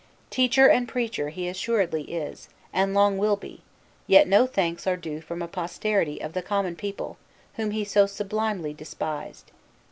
Teacher and preacher he assuredly is, and long will be, yet no thanks are his due from a posterity of the common people whom he so sublimely despised.